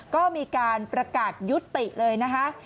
ก็มีการประกาศยุติเลยนะคะ